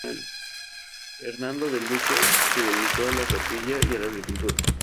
Hernando de Luque se dedicó a la capilla y a la agricultura.